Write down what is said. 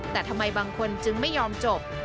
แต่ทำไมบางคนจึงไม่ยอมจบ